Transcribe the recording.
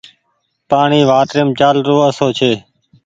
پآڻيٚ واٽريم چآلرو آسو ڇي